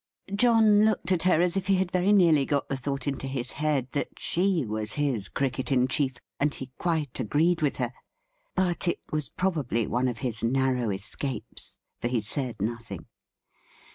John looked at her as if he had very nearly got the thought into his head, that she was his Cricket in chief, and he quite agreed with her. But it was probably one of his narrow escapes, for he said nothing.